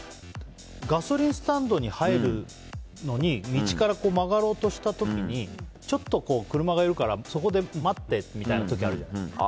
ガソリンスタンドに入るのに道から曲がろうとした時にちょっと車がいるからそこで待ってみたいな時あるじゃないですか。